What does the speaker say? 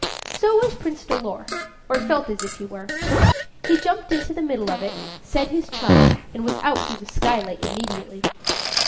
So was Prince Dolor or felt as if he were. He jumped into the middle of it, said his charm, and was out through the skylight immediately.